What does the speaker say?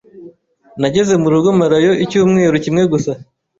Nageze mu rugo marayo icyumweru kimwe gusa